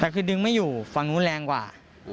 แต่คือดึงไม่อยู่ฝั่งนู้นแรงกว่า